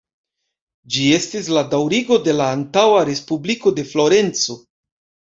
Ĝi estis la daŭrigo de la antaŭa Respubliko de Florenco.